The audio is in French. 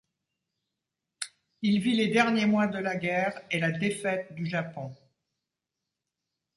Il vit les derniers mois de la guerre et la défaite du Japon.